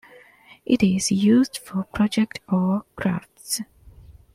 It is used for projects or crafts.